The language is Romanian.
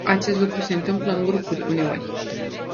Acest lucru se întâmplă în grupuri, uneori.